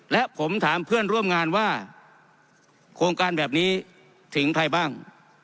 และผมถามเพื่อนร่วมงานว่าโครงการแบบนี้ถึงใครบ้าง